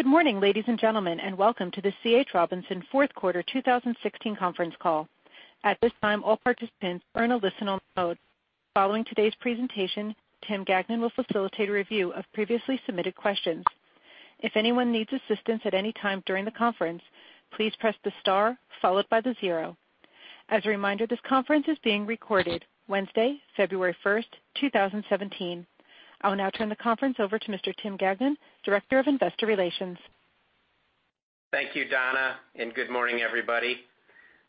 Good morning, ladies and gentlemen, and welcome to the C.H. Robinson fourth quarter 2016 conference call. At this time, all participants are in a listen-only mode. Following today's presentation, Tim Gagnon will facilitate a review of previously submitted questions. If anyone needs assistance at any time during the conference, please press the star followed by the zero. As a reminder, this conference is being recorded Wednesday, February 1st, 2017. I will now turn the conference over to Mr. Tim Gagnon, Director of Investor Relations. Thank you, Donna, and good morning, everybody.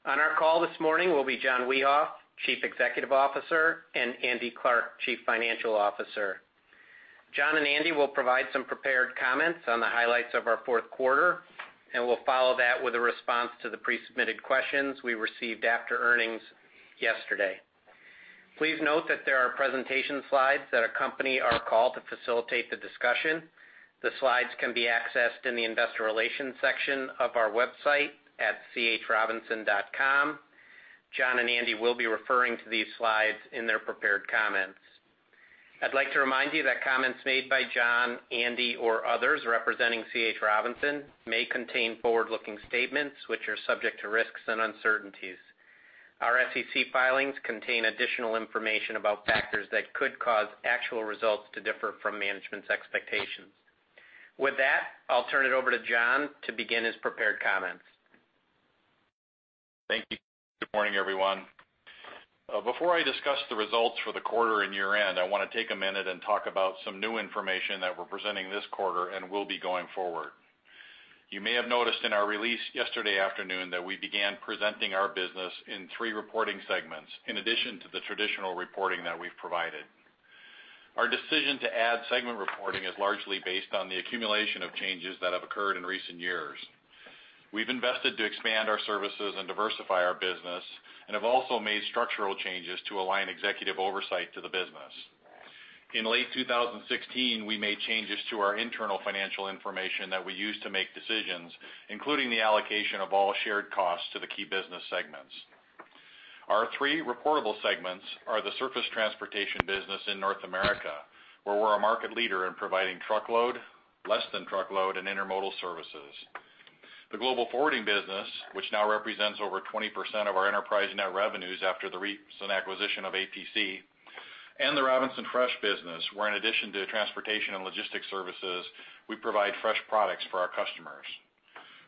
On our call this morning will be John Wiehoff, Chief Executive Officer, and Andrew Clarke, Chief Financial Officer. John and Andy will provide some prepared comments on the highlights of our fourth quarter, and we'll follow that with a response to the pre-submitted questions we received after earnings yesterday. Please note that there are presentation slides that accompany our call to facilitate the discussion. The slides can be accessed in the investor relations section of our website at chrobinson.com. John and Andy will be referring to these slides in their prepared comments. I'd like to remind you that comments made by John, Andy, or others representing C.H. Robinson may contain forward-looking statements, which are subject to risks and uncertainties. Our SEC filings contain additional information about factors that could cause actual results to differ from management's expectations. With that, I'll turn it over to John to begin his prepared comments. Thank you. Good morning, everyone. Before I discuss the results for the quarter and year-end, I want to take a minute and talk about some new information that we're presenting this quarter and will be going forward. You may have noticed in our release yesterday afternoon that we began presenting our business in three reporting segments, in addition to the traditional reporting that we've provided. Our decision to add segment reporting is largely based on the accumulation of changes that have occurred in recent years. We've invested to expand our services and diversify our business, and have also made structural changes to align executive oversight to the business. In late 2016, we made changes to our internal financial information that we use to make decisions, including the allocation of all shared costs to the key business segments. Our three reportable segments are the surface transportation business in North America, where we're a market leader in providing truckload, less than truckload, and intermodal services. The global forwarding business, which now represents over 20% of our enterprise net revenues after the recent acquisition of APC, and the Robinson Fresh business, where in addition to transportation and logistics services, we provide fresh products for our customers.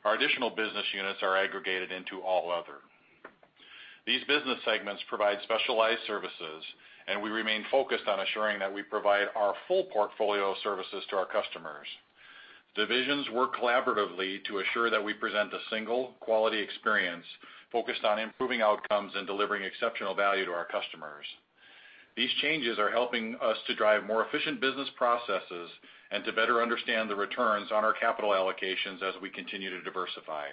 Our additional business units are aggregated into all other. These business segments provide specialized services, and we remain focused on ensuring that we provide our full portfolio of services to our customers. Divisions work collaboratively to assure that we present a single quality experience focused on improving outcomes and delivering exceptional value to our customers. These changes are helping us to drive more efficient business processes and to better understand the returns on our capital allocations as we continue to diversify.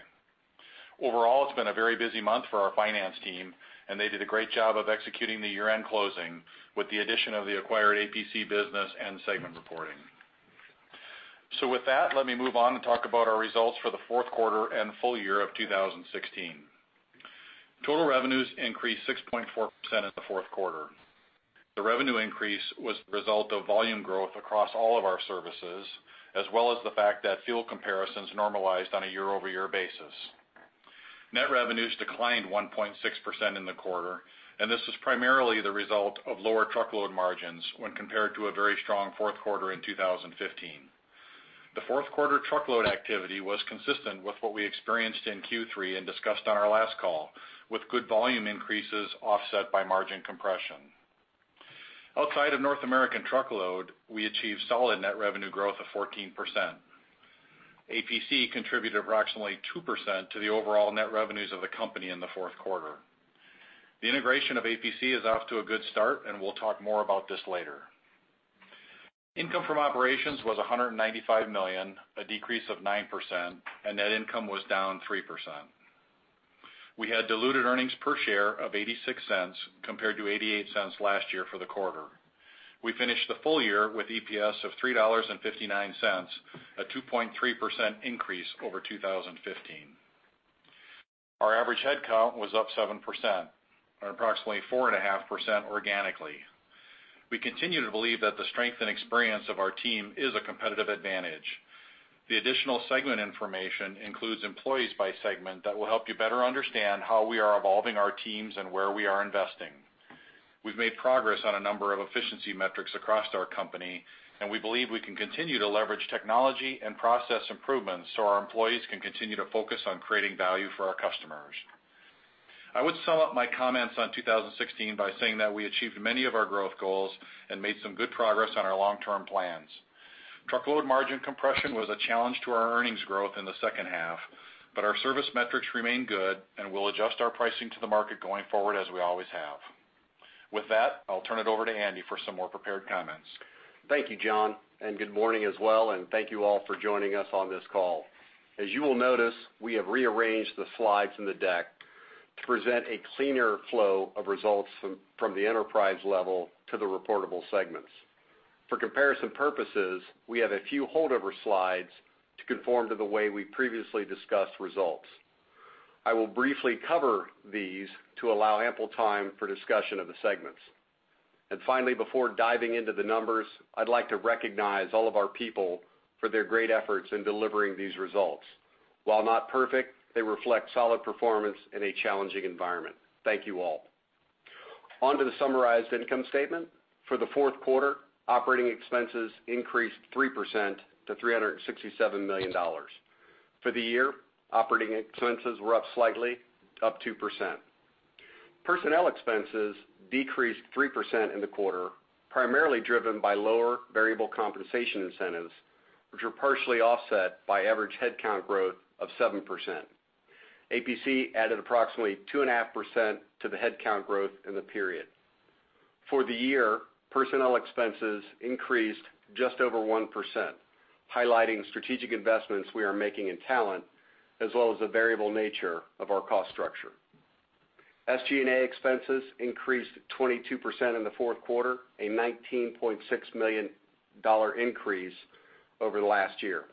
Overall, it's been a very busy month for our finance team, and they did a great job of executing the year-end closing, with the addition of the acquired APC business and segment reporting. With that, let me move on and talk about our results for the fourth quarter and full year of 2016. Total revenues increased 6.4% in the fourth quarter. The revenue increase was the result of volume growth across all of our services, as well as the fact that fuel comparisons normalized on a year-over-year basis. Net revenues declined 1.6% in the quarter, and this is primarily the result of lower truckload margins when compared to a very strong fourth quarter in 2015. The fourth quarter truckload activity was consistent with what we experienced in Q3 and discussed on our last call, with good volume increases offset by margin compression. Outside of North American truckload, we achieved solid net revenue growth of 14%. APC contributed approximately 2% to the overall net revenues of the company in the fourth quarter. The integration of APC is off to a good start, and we'll talk more about this later. Income from operations was $195 million, a decrease of 9%, and net income was down 3%. We had diluted earnings per share of $0.86 compared to $0.88 last year for the quarter. We finished the full year with EPS of $3.59, a 2.3% increase over 2015. Our average headcount was up 7%, or approximately 4.5% organically. We continue to believe that the strength and experience of our team is a competitive advantage. The additional segment information includes employees by segment that will help you better understand how we are evolving our teams and where we are investing. We've made progress on a number of efficiency metrics across our company, and we believe we can continue to leverage technology and process improvements so our employees can continue to focus on creating value for our customers. I would sum up my comments on 2016 by saying that we achieved many of our growth goals and made some good progress on our long-term plans. Truckload margin compression was a challenge to our earnings growth in the second half, but our service metrics remain good, and we'll adjust our pricing to the market going forward as we always have. With that, I'll turn it over to Andy for some more prepared comments. Thank you, John, and good morning as well, and thank you all for joining us on this call. As you will notice, we have rearranged the slides in the deck to present a cleaner flow of results from the enterprise level to the reportable segments. For comparison purposes, we have a few holdover slides to conform to the way we previously discussed results. I will briefly cover these to allow ample time for discussion of the segments. Finally, before diving into the numbers, I'd like to recognize all of our people for their great efforts in delivering these results. While not perfect, they reflect solid performance in a challenging environment. Thank you all. On to the summarized income statement. For the fourth quarter, operating expenses increased 3% to $367 million. For the year, operating expenses were up slightly, up 2%. Personnel expenses decreased 3% in the quarter, primarily driven by lower variable compensation incentives, which were partially offset by average headcount growth of 7%. APC added approximately 2.5% to the headcount growth in the period. For the year, personnel expenses increased just over 1%, highlighting strategic investments we are making in talent, as well as the variable nature of our cost structure. SG&A expenses increased 22% in the fourth quarter, a $19.6 million increase over last year.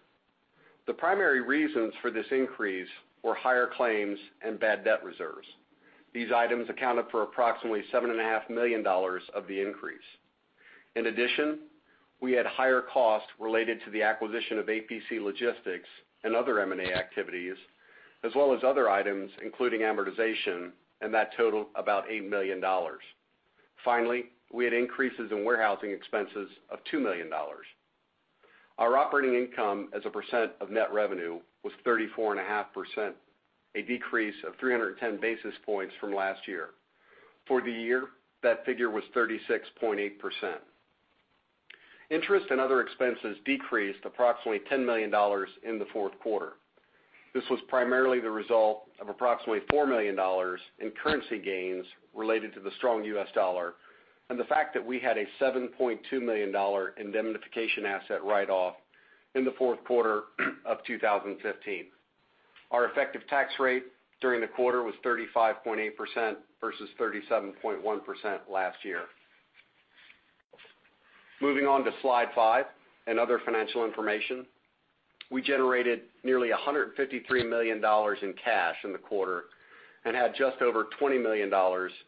The primary reasons for this increase were higher claims and bad debt reserves. These items accounted for approximately $7.5 million of the increase. In addition, we had higher costs related to the acquisition of APC Logistics and other M&A activities, as well as other items, including amortization, and that totaled about $8 million. Finally, we had increases in warehousing expenses of $2 million. Our operating income as a percent of net revenue was 34.5%, a decrease of 310 basis points from last year. For the year, that figure was 36.8%. Interest and other expenses decreased approximately $10 million in the fourth quarter. This was primarily the result of approximately $4 million in currency gains related to the strong U.S. dollar and the fact that we had a $7.2 million indemnification asset write-off in the fourth quarter of 2015. Our effective tax rate during the quarter was 35.8% versus 37.1% last year. Moving on to Slide five and other financial information. We generated nearly $153 million in cash in the quarter and had just over $20 million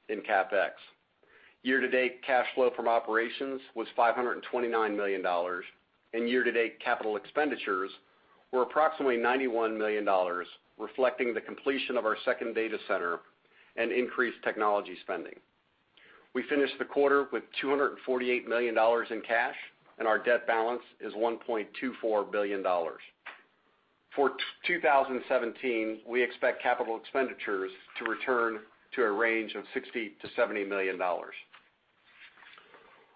in CapEx. Year-to-date cash flow from operations was $529 million, and year-to-date capital expenditures were approximately $91 million, reflecting the completion of our second data center and increased technology spending. We finished the quarter with $248 million in cash, and our debt balance is $1.24 billion. For 2017, we expect capital expenditures to return to a range of $60 million-$70 million.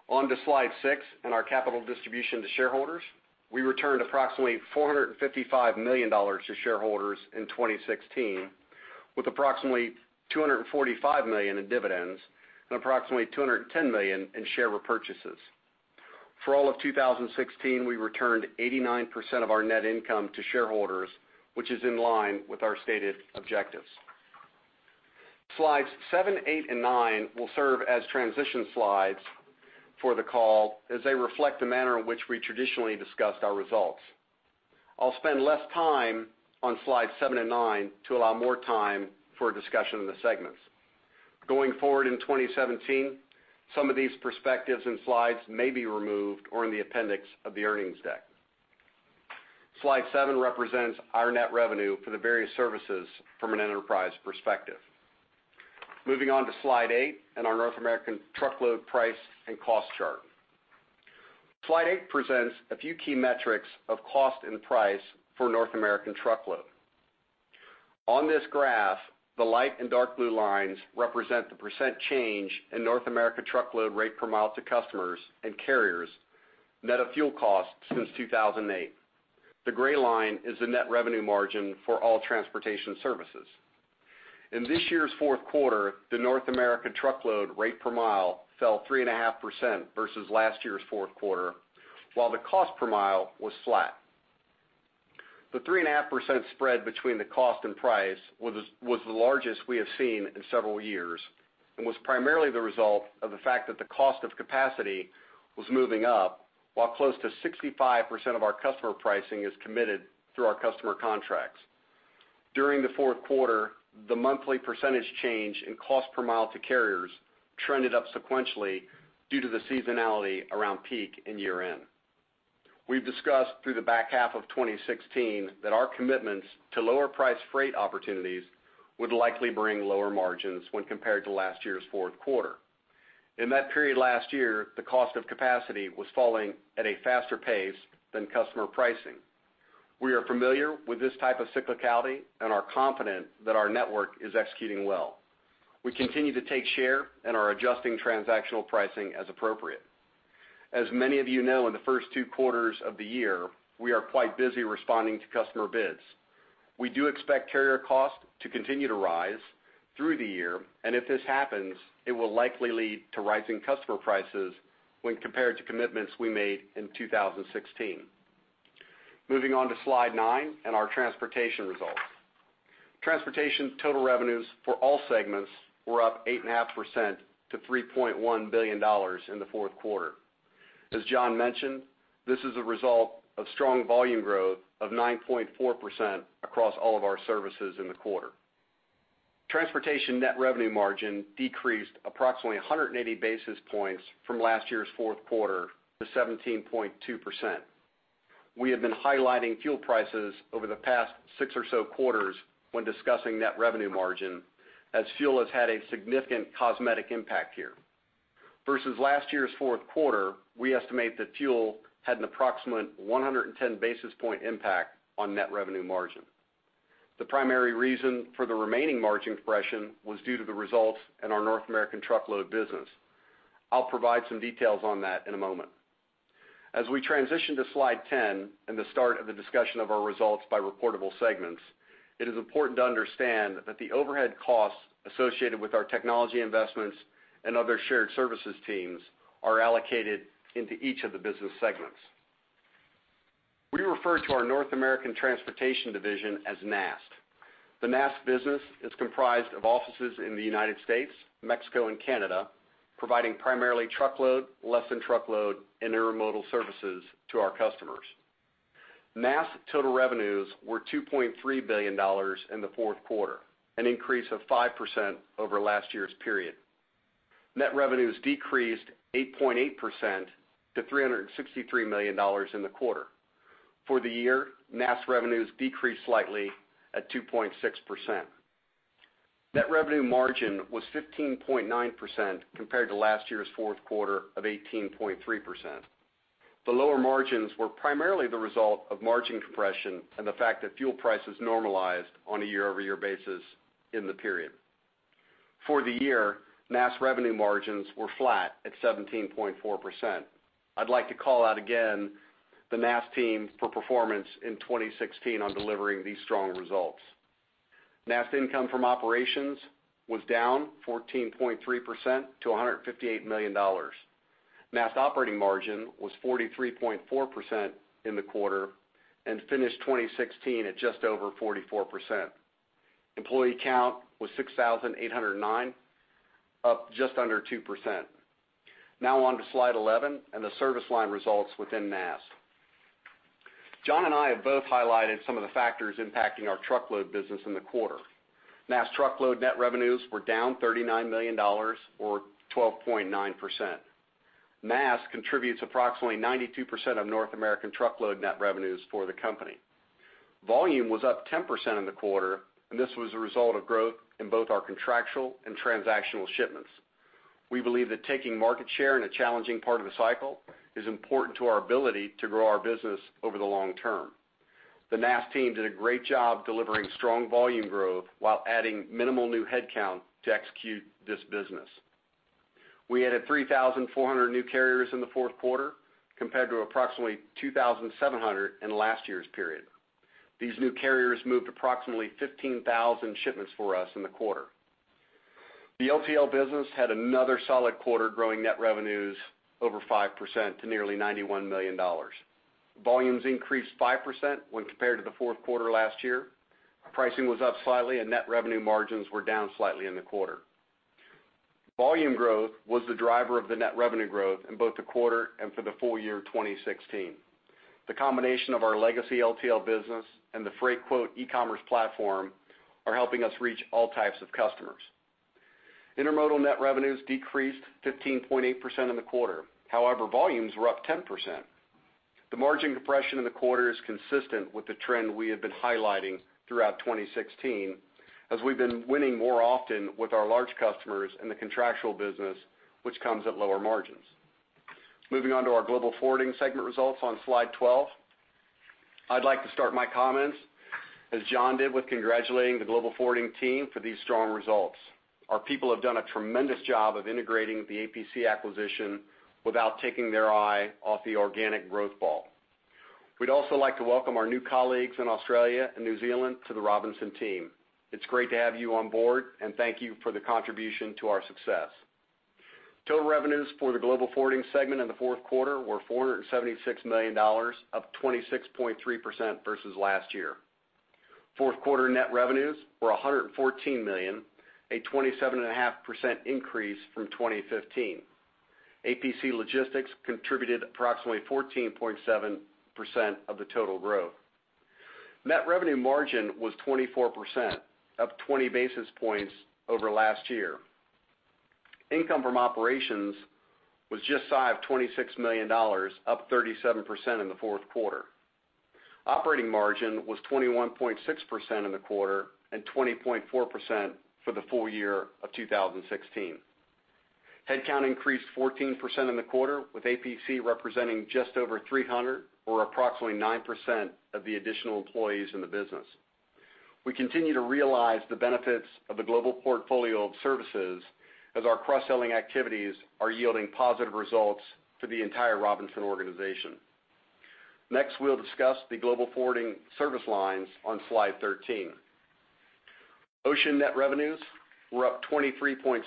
On to Slide six and our capital distribution to shareholders. We returned approximately $455 million to shareholders in 2016, with approximately $245 million in dividends and approximately $210 million in share repurchases. For all of 2016, we returned 89% of our net income to shareholders, which is in line with our stated objectives. Slides seven, eight, and nine will serve as transition slides for the call as they reflect the manner in which we traditionally discussed our results. I'll spend less time on slides seven and nine to allow more time for a discussion of the segments. Going forward in 2017, some of these perspectives and slides may be removed or in the appendix of the earnings deck. Slide seven represents our net revenue for the various services from an enterprise perspective. Moving on to Slide eight and our North American truckload price and cost chart. Slide eight presents a few key metrics of cost and price for North American truckload. On this graph, the light and dark blue lines represent the % change in North America truckload rate per mile to customers and carriers, net of fuel costs since 2008. The gray line is the net revenue margin for all transportation services. In this year's fourth quarter, the North America truckload rate per mile fell 3.5% versus last year's fourth quarter, while the cost per mile was flat. The 3.5% spread between the cost and price was the largest we have seen in several years and was primarily the result of the fact that the cost of capacity was moving up, while close to 65% of our customer pricing is committed through our customer contracts. During the fourth quarter, the monthly % change in cost per mile to carriers trended up sequentially due to the seasonality around peak and year-end. We've discussed through the back half of 2016 that our commitments to lower-priced freight opportunities would likely bring lower margins when compared to last year's fourth quarter. In that period last year, the cost of capacity was falling at a faster pace than customer pricing. We are familiar with this type of cyclicality and are confident that our network is executing well. We continue to take share and are adjusting transactional pricing as appropriate. As many of you know, in the first two quarters of the year, we are quite busy responding to customer bids. We do expect carrier costs to continue to rise through the year, if this happens, it will likely lead to rising customer prices when compared to commitments we made in 2016. Moving on to Slide nine and our transportation results. Transportation total revenues for all segments were up 8.5% to $3.1 billion in the fourth quarter. As John mentioned, this is a result of strong volume growth of 9.4% across all of our services in the quarter. Transportation net revenue margin decreased approximately 180 basis points from last year's fourth quarter to 17.2%. We have been highlighting fuel prices over the past six or so quarters when discussing net revenue margin, as fuel has had a significant cosmetic impact here. Versus last year's fourth quarter, we estimate that fuel had an approximate 110 basis point impact on net revenue margin. The primary reason for the remaining margin compression was due to the results in our North American truckload business. I'll provide some details on that in a moment. As we transition to slide 10 and the start of the discussion of our results by reportable segments, it is important to understand that the overhead costs associated with our technology investments and other shared services teams are allocated into each of the business segments. We refer to our North American transportation division as NAST. The NAST business is comprised of offices in the U.S., Mexico, and Canada, providing primarily truckload, less than truckload, and intermodal services to our customers. NAST total revenues were $2.3 billion in the fourth quarter, an increase of 5% over last year's period. Net revenues decreased 8.8% to $363 million in the quarter. For the year, NAST revenues decreased slightly at 2.6%. Net revenue margin was 15.9% compared to last year's fourth quarter of 18.3%. The lower margins were primarily the result of margin compression and the fact that fuel prices normalized on a year-over-year basis in the period. For the year, NAST revenue margins were flat at 17.4%. I'd like to call out again the NAST team for performance in 2016 on delivering these strong results. NAST income from operations was down 14.3% to $158 million. NAST operating margin was 43.4% in the quarter and finished 2016 at just over 44%. Employee count was 6,809, up just under 2%. Now on to slide 11 and the service line results within NAST. John and I have both highlighted some of the factors impacting our truckload business in the quarter. NAST truckload net revenues were down $39 million, or 12.9%. NAST contributes approximately 92% of North American truckload net revenues for the company. Volume was up 10% in the quarter, and this was a result of growth in both our contractual and transactional shipments. We believe that taking market share in a challenging part of the cycle is important to our ability to grow our business over the long term. The NAST team did a great job delivering strong volume growth while adding minimal new headcount to execute this business. We added 3,400 new carriers in the fourth quarter, compared to approximately 2,700 in last year's period. These new carriers moved approximately 15,000 shipments for us in the quarter. The LTL business had another solid quarter, growing net revenues over 5% to nearly $91 million. Volumes increased 5% when compared to the fourth quarter last year. Pricing was up slightly, and net revenue margins were down slightly in the quarter. Volume growth was the driver of the net revenue growth in both the quarter and for the full year 2016. The combination of our legacy LTL business and the Freightquote e-commerce platform are helping us reach all types of customers. Intermodal net revenues decreased 15.8% in the quarter. However, volumes were up 10%. The margin compression in the quarter is consistent with the trend we have been highlighting throughout 2016, as we've been winning more often with our large customers in the contractual business, which comes at lower margins. Moving on to our Global Forwarding segment results on slide 12. I'd like to start my comments, as John did, with congratulating the Global Forwarding team for these strong results. Our people have done a tremendous job of integrating the APC acquisition without taking their eye off the organic growth ball. We'd also like to welcome our new colleagues in Australia and New Zealand to the Robinson team. It's great to have you on board, and thank you for the contribution to our success. Total revenues for the Global Forwarding segment in the fourth quarter were $476 million, up 26.3% versus last year. Fourth quarter net revenues were $114 million, a 27.5% increase from 2015. APC Logistics contributed approximately 14.7% of the total growth. Net revenue margin was 24%, up 20 basis points over last year. Income from operations was just shy of $26 million, up 37% in the fourth quarter. Operating margin was 21.6% in the quarter and 20.4% for the full year of 2016. Headcount increased 14% in the quarter, with APC representing just over 300 or approximately 9% of the additional employees in the business. We continue to realize the benefits of the global portfolio of services as our cross-selling activities are yielding positive results for the entire Robinson organization. Next, we'll discuss the Global Forwarding service lines on slide 13. Ocean net revenues were up 23.7%,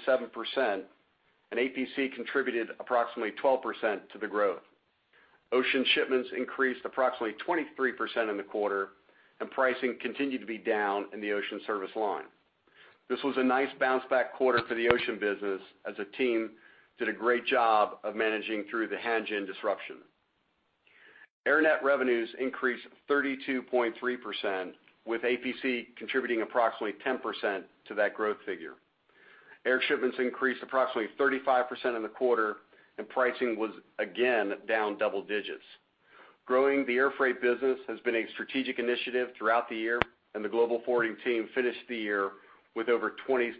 and APC contributed approximately 12% to the growth. Ocean shipments increased approximately 23% in the quarter, and pricing continued to be down in the ocean service line. This was a nice bounce back quarter for the ocean business as the team did a great job of managing through the Hanjin disruption. Air net revenues increased 32.3%, with APC contributing approximately 10% to that growth figure. Air shipments increased approximately 35% in the quarter, and pricing was again, down double digits. Growing the air freight business has been a strategic initiative throughout the year, and the global forwarding team finished the year with over 20%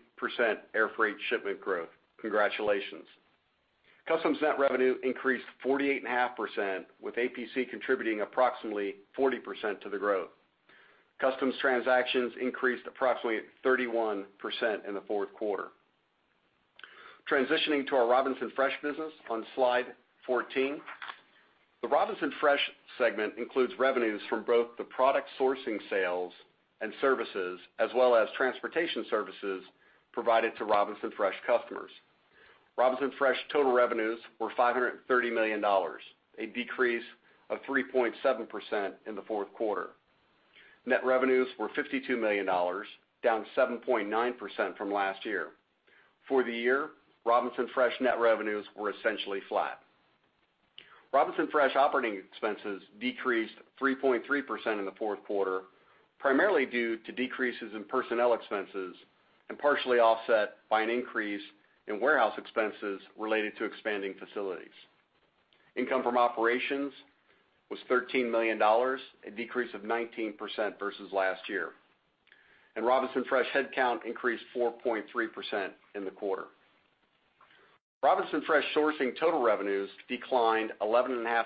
air freight shipment growth. Congratulations. Customs net revenue increased 48.5%, with APC contributing approximately 40% to the growth. Customs transactions increased approximately 31% in the fourth quarter. Transitioning to our Robinson Fresh business on slide 14. The Robinson Fresh segment includes revenues from both the product sourcing sales and services, as well as transportation services provided to Robinson Fresh customers. Robinson Fresh total revenues were $530 million, a decrease of 3.7% in the fourth quarter. Net revenues were $52 million, down 7.9% from last year. For the year, Robinson Fresh net revenues were essentially flat. Robinson Fresh operating expenses decreased 3.3% in the fourth quarter, primarily due to decreases in personnel expenses and partially offset by an increase in warehouse expenses related to expanding facilities. Income from operations was $13 million, a decrease of 19% versus last year. Robinson Fresh headcount increased 4.3% in the quarter. Robinson Fresh sourcing total revenues declined 11.5%.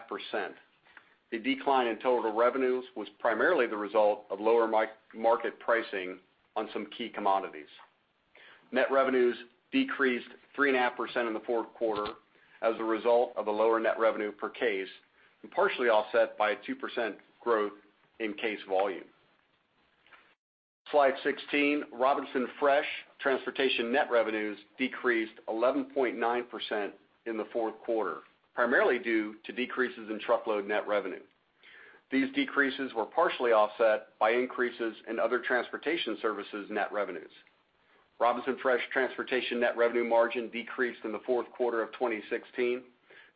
The decline in total revenues was primarily the result of lower market pricing on some key commodities. Net revenues decreased 3.5% in the fourth quarter as a result of a lower net revenue per case, and partially offset by a 2% growth in case volume. Slide 16. Robinson Fresh transportation net revenues decreased 11.9% in the fourth quarter, primarily due to decreases in truckload net revenue. These decreases were partially offset by increases in other transportation services net revenues. Robinson Fresh transportation net revenue margin decreased in the fourth quarter of 2016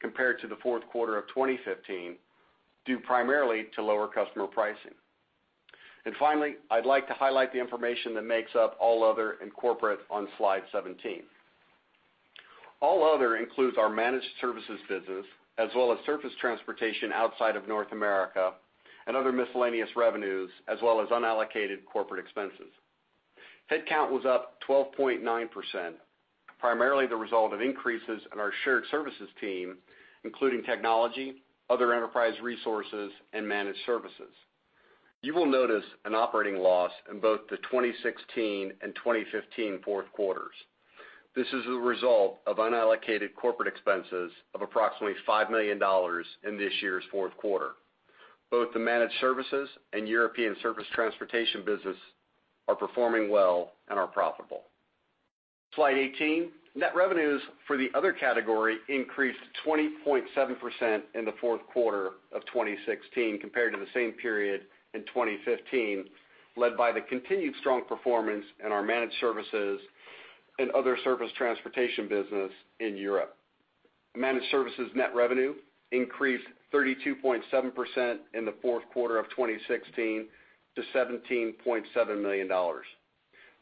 compared to the fourth quarter of 2015, due primarily to lower customer pricing. Finally, I'd like to highlight the information that makes up all other in corporate on slide 17. All other includes our managed services business as well as surface transportation outside of North America and other miscellaneous revenues, as well as unallocated corporate expenses. Headcount was up 12.9%, primarily the result of increases in our shared services team, including technology, other enterprise resources and managed services. You will notice an operating loss in both the 2016 and 2015 fourth quarters. This is a result of unallocated corporate expenses of approximately $5 million in this year's fourth quarter. Both the managed services and European surface transportation business are performing well and are profitable. Slide 18. Net revenues for the other category increased 20.7% in the fourth quarter of 2016 compared to the same period in 2015, led by the continued strong performance in our managed services and other surface transportation business in Europe. Managed services net revenue increased 32.7% in the fourth quarter of 2016 to $17.7 million.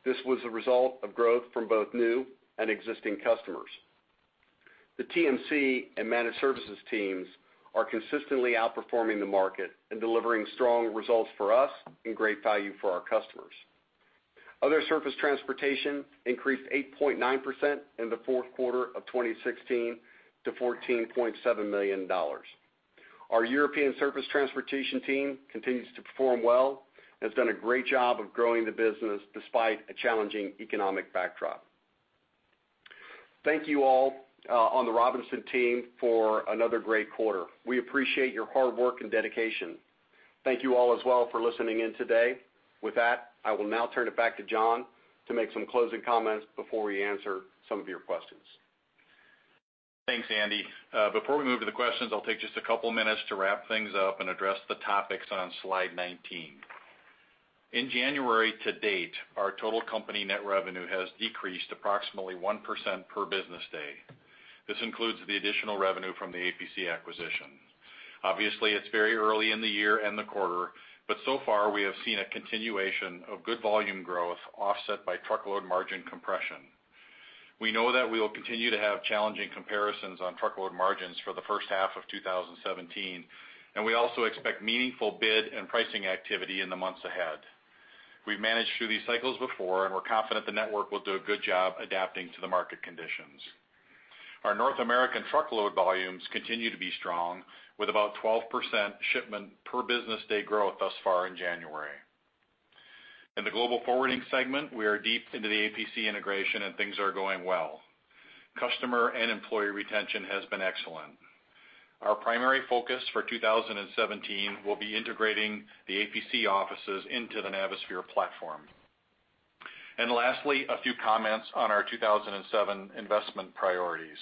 This was a result of growth from both new and existing customers. The TMC and managed services teams are consistently outperforming the market and delivering strong results for us and great value for our customers. Other surface transportation increased 8.9% in the fourth quarter of 2016 to $14.7 million. Our European surface transportation team continues to perform well and has done a great job of growing the business despite a challenging economic backdrop. Thank you all on the Robinson team for another great quarter. We appreciate your hard work and dedication. Thank you all as well for listening in today. With that, I will now turn it back to John to make some closing comments before we answer some of your questions. Thanks, Andy. Before we move to the questions, I'll take just a couple minutes to wrap things up and address the topics on slide 19. In January to date, our total company net revenue has decreased approximately 1% per business day. This includes the additional revenue from the APC acquisition. Obviously, it's very early in the year and the quarter, but so far we have seen a continuation of good volume growth offset by truckload margin compression. We know that we will continue to have challenging comparisons on truckload margins for the first half of 2017, and we also expect meaningful bid and pricing activity in the months ahead. We've managed through these cycles before, and we're confident the network will do a good job adapting to the market conditions. Our North American truckload volumes continue to be strong, with about 12% shipment per business day growth thus far in January. In the global forwarding segment, we are deep into the APC integration and things are going well. Customer and employee retention has been excellent. Our primary focus for 2017 will be integrating the APC offices into the Navisphere platform. Lastly, a few comments on our 2017 investment priorities.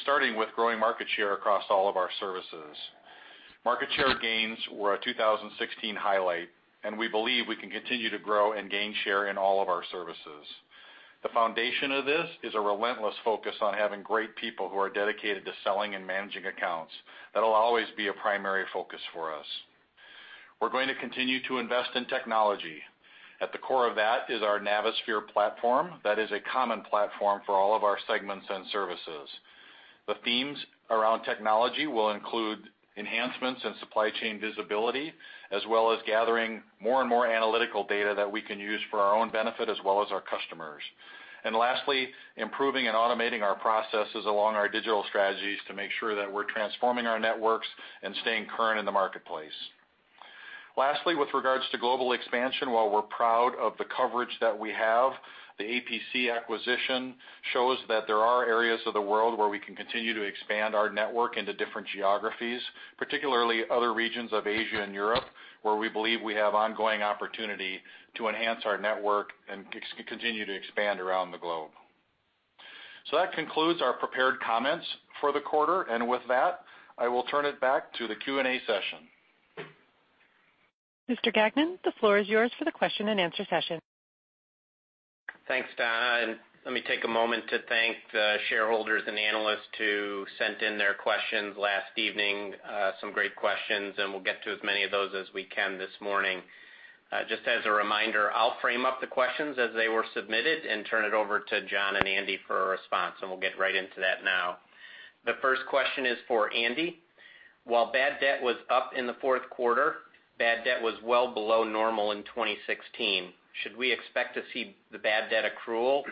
Starting with growing market share across all of our services. Market share gains were a 2016 highlight, and we believe we can continue to grow and gain share in all of our services. The foundation of this is a relentless focus on having great people who are dedicated to selling and managing accounts. That'll always be a primary focus for us. We're going to continue to invest in technology. At the core of that is our Navisphere platform. That is a common platform for all of our segments and services. The themes around technology will include enhancements in supply chain visibility, as well as gathering more and more analytical data that we can use for our own benefit as well as our customers. Lastly, improving and automating our processes along our digital strategies to make sure that we're transforming our networks and staying current in the marketplace. Lastly, with regards to global expansion, while we're proud of the coverage that we have, the APC acquisition shows that there are areas of the world where we can continue to expand our network into different geographies, particularly other regions of Asia and Europe, where we believe we have ongoing opportunity to enhance our network and continue to expand around the globe. That concludes our prepared comments for the quarter. With that, I will turn it back to the Q&A session. Mr. Gagnon, the floor is yours for the question and answer session. Thanks, Donna. Let me take a moment to thank the shareholders and analysts who sent in their questions last evening. Some great questions, we'll get to as many of those as we can this morning. Just as a reminder, I'll frame up the questions as they were submitted, turn it over to John and Andy for a response, we'll get right into that now. The first question is for Andy. While bad debt was up in the fourth quarter, bad debt was well below normal in 2016. Should we expect to see the bad debt accrual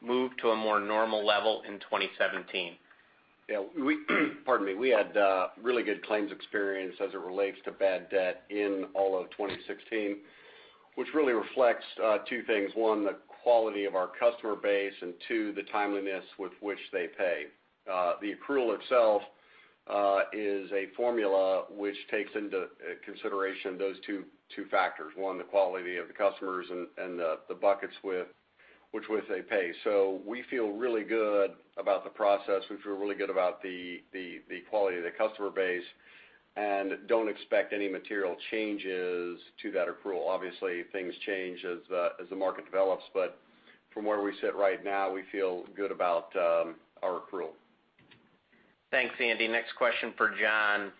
move to a more normal level in 2017? Yeah. We had really good claims experience as it relates to bad debt in all of 2016, which really reflects two things. One, the quality of our customer base, and two, the timeliness with which they pay. The accrual itself is a formula which takes into consideration those two factors. One, the quality of the customers and the buckets with which they pay. We feel really good about the process. We feel really good about the quality of the customer base and don't expect any material changes to that accrual. Obviously, things change as the market develops, but from where we sit right now, we feel good about our accrual. Thanks, Andy. Next question for John.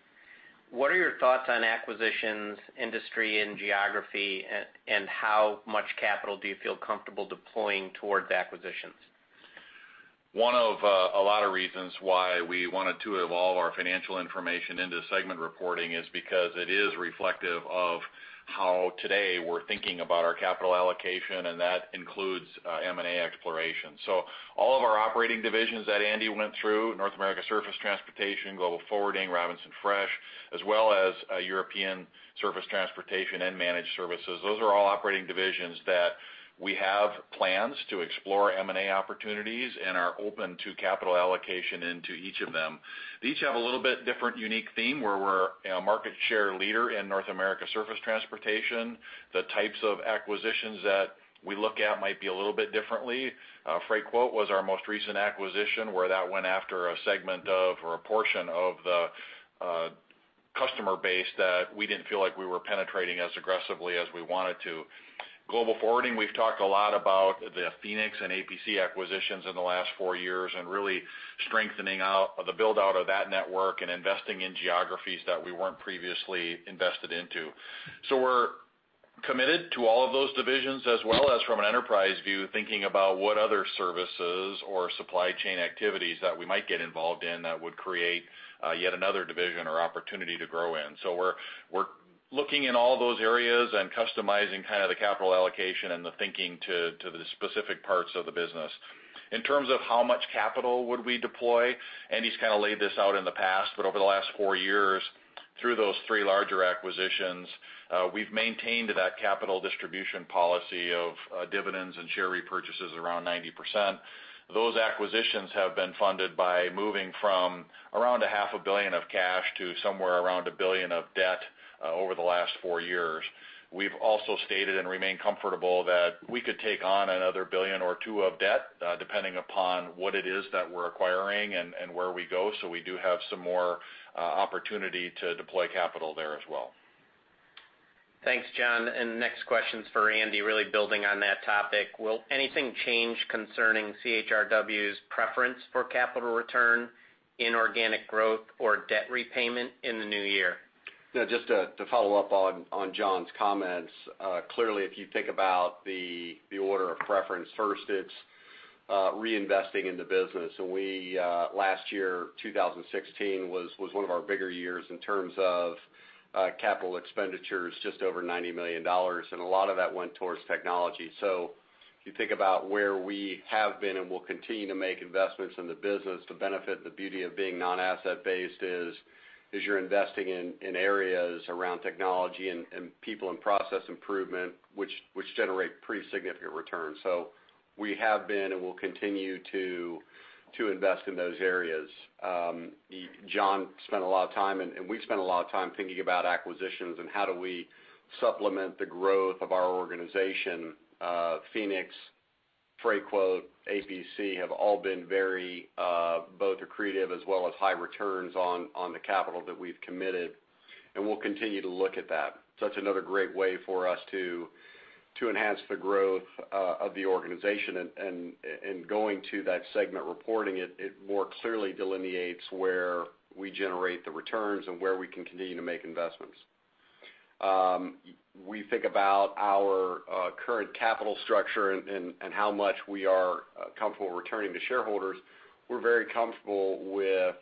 What are your thoughts on acquisitions, industry, and geography, and how much capital do you feel comfortable deploying towards acquisitions? One of a lot of reasons why we wanted to evolve our financial information into segment reporting is because it is reflective of how today we're thinking about our capital allocation, and that includes M&A exploration. All of our operating divisions that Andy went through, North America Surface Transportation, Global Forwarding, Robinson Fresh, as well as European Surface Transportation and Managed Services. Those are all operating divisions that we have plans to explore M&A opportunities and are open to capital allocation into each of them. They each have a little bit different unique theme, where we're a market share leader in North America Surface Transportation. The types of acquisitions that we look at might be a little bit differently. Freightquote was our most recent acquisition, where that went after a segment of, or a portion of the customer base that we didn't feel like we were penetrating as aggressively as we wanted to. Global Forwarding, we've talked a lot about the Phoenix and APC acquisitions in the last four years and really strengthening out the build-out of that network and investing in geographies that we weren't previously invested into. We're committed to all of those divisions, as well as from an enterprise view, thinking about what other services or supply chain activities that we might get involved in that would create yet another division or opportunity to grow in. We're looking in all those areas and customizing the capital allocation and the thinking to the specific parts of the business. In terms of how much capital would we deploy, Andy's kind of laid this out in the past. Over the last four years, through those three larger acquisitions, we've maintained that capital distribution policy of dividends and share repurchases around 90%. Those acquisitions have been funded by moving from around a half a billion of cash to somewhere around $1 billion of debt over the last four years. We've also stated and remain comfortable that we could take on another $1 billion or $2 billion of debt, depending upon what it is that we're acquiring and where we go. We do have some more opportunity to deploy capital there as well. Thanks, John, Next question's for Andy, really building on that topic. Will anything change concerning CHRW's preference for capital return, inorganic growth, or debt repayment in the new year? Just to follow up on John's comments. Clearly, if you think about the order of preference, first, it's reinvesting in the business. Last year, 2016 was one of our bigger years in terms of capital expenditures, just over $90 million. A lot of that went towards technology. If you think about where we have been and will continue to make investments in the business, the benefit, the beauty of being non-asset-based is you're investing in areas around technology and people and process improvement, which generate pretty significant returns. We have been and will continue to invest in those areas. John spent a lot of time, we've spent a lot of time thinking about acquisitions and how do we supplement the growth of our organization. Phoenix, Freightquote, APC have all been very both accretive as well as high returns on the capital that we've committed. We'll continue to look at that. That's another great way for us to enhance the growth of the organization. Going to that segment, reporting it more clearly delineates where we generate the returns and where we can continue to make investments. We think about our current capital structure and how much we are comfortable returning to shareholders. We're very comfortable with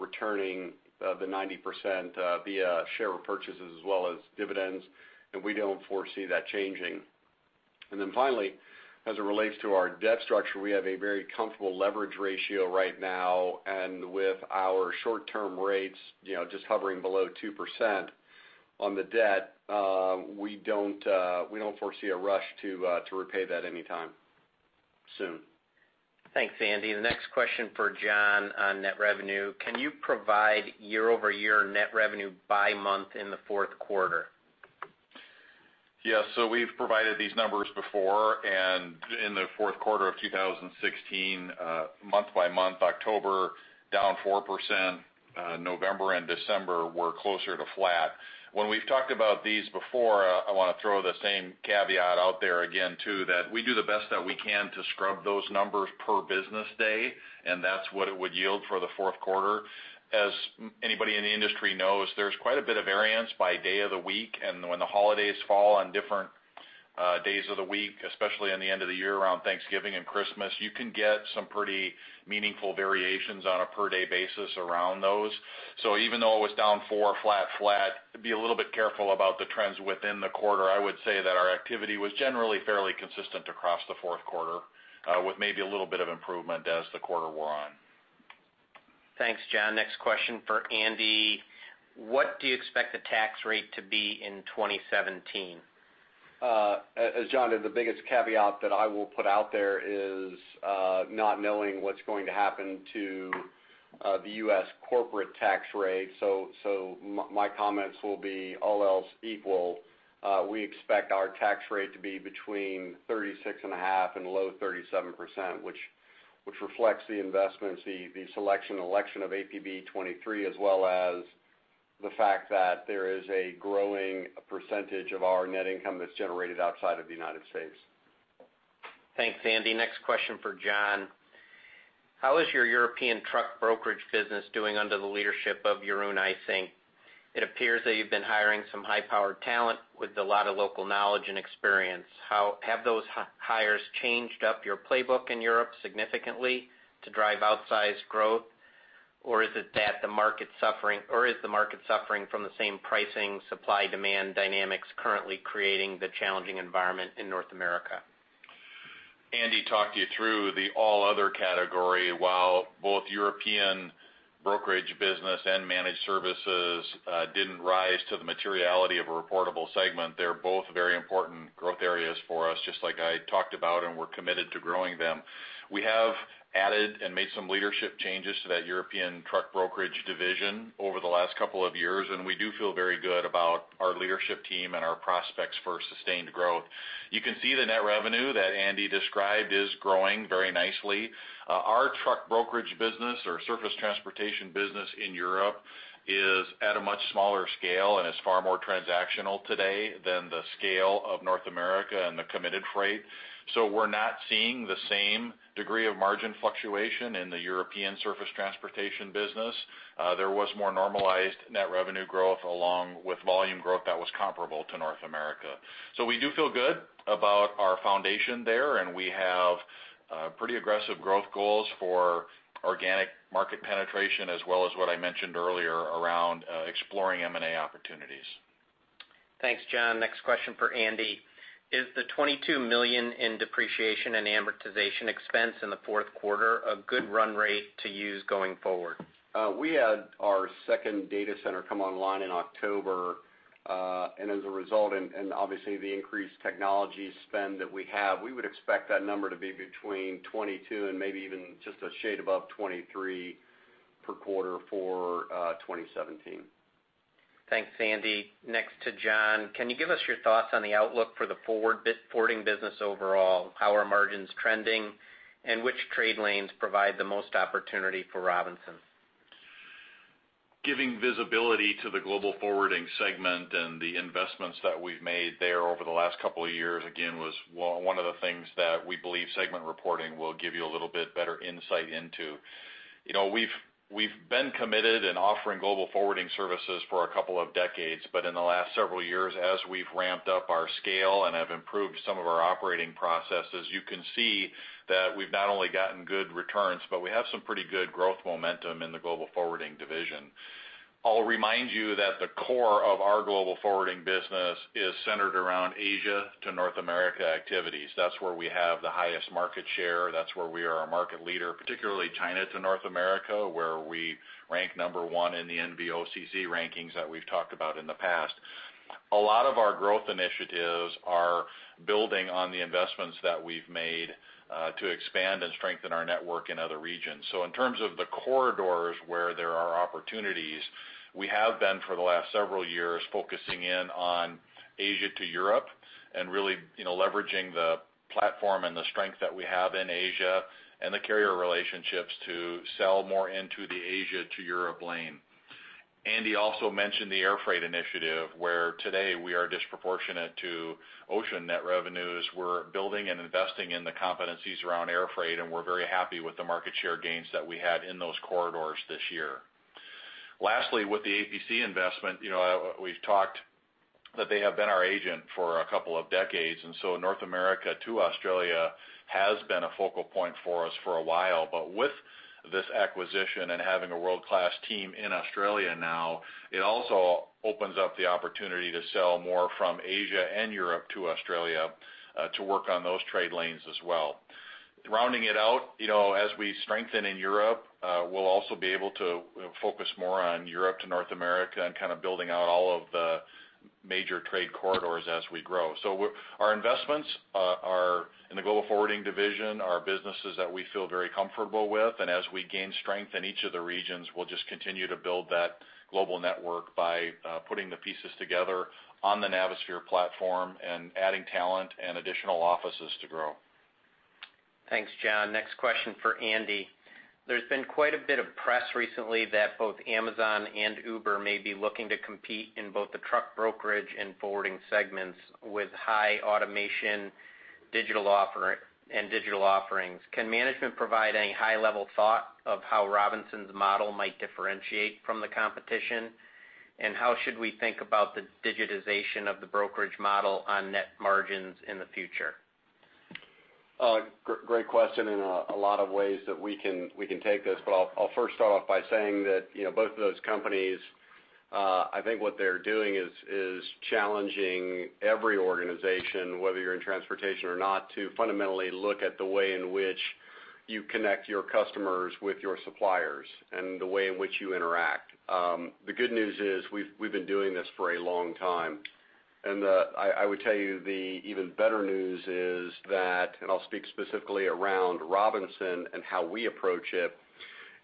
returning the 90% via share repurchases as well as dividends, We don't foresee that changing. Finally, as it relates to our debt structure, we have a very comfortable leverage ratio right now. With our short-term rates just hovering below 2% on the debt, we don't foresee a rush to repay that anytime soon. Thanks, Andy. The next question for John on net revenue. Can you provide year-over-year net revenue by month in the fourth quarter? Yes. We've provided these numbers before, in the fourth quarter of 2016, month by month, October down 4%, November and December were closer to flat. When we've talked about these before, I want to throw the same caveat out there again too, that we do the best that we can to scrub those numbers per business day, and that's what it would yield for the fourth quarter. As anybody in the industry knows, there's quite a bit of variance by day of the week, and when the holidays fall on different days of the week, especially in the end of the year around Thanksgiving and Christmas, you can get some pretty meaningful variations on a per-day basis around those. Even though it was down 4%, flat, be a little bit careful about the trends within the quarter. I would say that our activity was generally fairly consistent across the fourth quarter, with maybe a little bit of improvement as the quarter wore on. Thanks, John. Next question for Andy. What do you expect the tax rate to be in 2017? As John did, the biggest caveat that I will put out there is not knowing what's going to happen to the U.S. corporate tax rate. My comments will be all else equal, we expect our tax rate to be between 36.5% and low 37%, which reflects the investments, the selection and election of APB 23, as well as the fact that there is a growing percentage of our net income that's generated outside of the United States. Thanks, Andy. Next question for John. How is your European truck brokerage business doing under the leadership of Jeroen Eijsink? It appears that you've been hiring some high-powered talent with a lot of local knowledge and experience. Have those hires changed up your playbook in Europe significantly to drive outsized growth? Or is the market suffering from the same pricing supply-demand dynamics currently creating the challenging environment in North America? Andy talked you through the all other category while both European brokerage business and managed services didn't rise to the materiality of a reportable segment. They're both very important growth areas for us, just like I talked about, and we're committed to growing them. We have added and made some leadership changes to that European truck brokerage division over the last couple of years, and we do feel very good about our leadership team and our prospects for sustained growth. You can see the net revenue that Andy described is growing very nicely. Our truck brokerage business or surface transportation business in Europe is at a much smaller scale and is far more transactional today than the scale of North America and the committed freight. We're not seeing the same degree of margin fluctuation in the European surface transportation business. There was more normalized net revenue growth along with volume growth that was comparable to North America. We do feel good about our foundation there, and we have pretty aggressive growth goals for organic market penetration as well as what I mentioned earlier around exploring M&A opportunities. Thanks, John. Next question for Andy. Is the $22 million in depreciation and amortization expense in the fourth quarter a good run rate to use going forward? We had our second data center come online in October. As a result, and obviously the increased technology spend that we have, we would expect that number to be between $22 and maybe even just a shade above $23 per quarter for 2017. Thanks, Andy. Next to John. Can you give us your thoughts on the outlook for the forwarding business overall, how are margins trending, and which trade lanes provide the most opportunity for Robinson? Giving visibility to the global forwarding segment and the investments that we've made there over the last couple of years, again, was one of the things that we believe segment reporting will give you a little bit better insight into. We've been committed and offering global forwarding services for a couple of decades, but in the last several years, as we've ramped up our scale and have improved some of our operating processes, you can see that we've not only gotten good returns, but we have some pretty good growth momentum in the global forwarding division. I'll remind you that the core of our global forwarding business is centered around Asia to North America activities. That's where we have the highest market share. That's where we are a market leader, particularly China to North America, where we rank number 1 in the NVOCC rankings that we've talked about in the past. A lot of our growth initiatives are building on the investments that we've made to expand and strengthen our network in other regions. In terms of the corridors where there are opportunities, we have been, for the last several years, focusing in on Asia to Europe, really leveraging the platform and the strength that we have in Asia, and the carrier relationships to sell more into the Asia to Europe lane. Andy also mentioned the air freight initiative, where today we are disproportionate to ocean net revenues. We're building and investing in the competencies around air freight, and we're very happy with the market share gains that we had in those corridors this year. Lastly, with the APC investment, we've talked that they have been our agent for a couple of decades, North America to Australia has been a focal point for us for a while. With this acquisition and having a world-class team in Australia now, it also opens up the opportunity to sell more from Asia and Europe to Australia, to work on those trade lanes as well. Rounding it out, as we strengthen in Europe, we'll also be able to focus more on Europe to North America and kind of building out all of the major trade corridors as we grow. Our investments are in the global forwarding division, are businesses that we feel very comfortable with. As we gain strength in each of the regions, we'll just continue to build that global network by putting the pieces together on the Navisphere platform and adding talent and additional offices to grow. Thanks, John. Next question for Andy. There's been quite a bit of press recently that both Amazon and Uber may be looking to compete in both the truck brokerage and forwarding segments with high automation and digital offerings. Can management provide any high-level thought of how Robinson's model might differentiate from the competition? How should we think about the digitization of the brokerage model on net margins in the future? Great question, and a lot of ways that we can take this. I'll first start off by saying that both of those companies, I think what they're doing is challenging every organization, whether you're in transportation or not, to fundamentally look at the way in which you connect your customers with your suppliers and the way in which you interact. The good news is we've been doing this for a long time. I would tell you the even better news is that, and I'll speak specifically around Robinson and how we approach it,